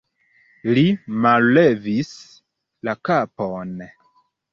Li mallevis la kapon.